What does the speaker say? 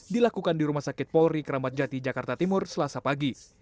dilakukan di rumah sakit polri keramat jati jakarta timur selasa pagi